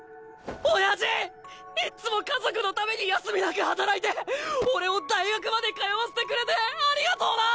おやじいっつも家族のために休みなく働いて俺を大学まで通わせてくれてありがとうな！